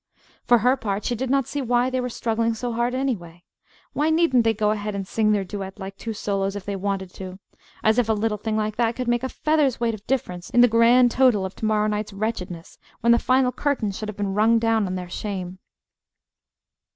For her part, she did not see why they were struggling so hard, anyway. Why needn't they go ahead and sing their duet like two solos if they wanted to? As if a little thing like that could make a feather's weight of difference in the grand total of to morrow night's wretchedness when the final curtain should have been rung down on their shame!